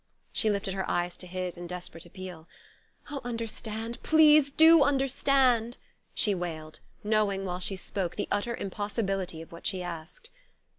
She lifted her eyes to his in desperate appeal. "Oh, understand do please understand!" she wailed, knowing, while she spoke, the utter impossibility of what she asked.